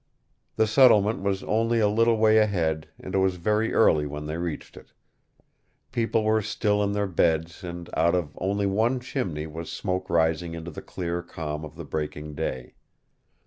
The settlement was only a little way ahead and it was very early when they reached it. People were still in their beds and out of only one chimney was smoke rising into the clear calm of the breaking day.